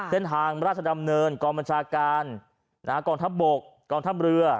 เส้นทางราชดำเนินกองบัญชาการกองทัพบกกองทัพเรือ